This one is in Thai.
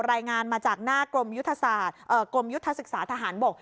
รายงานมาจากหน้ากรมยุทธศาสตร์กรมยุทธศึกษาทหารบก